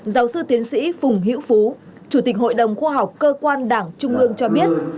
giáo sư tiến sĩ phùng hữu phú chủ tịch hội đồng khoa học cơ quan đảng trung ương cho biết